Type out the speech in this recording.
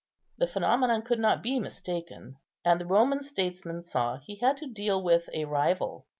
The phenomenon could not be mistaken; and the Roman statesman saw he had to deal with a rival.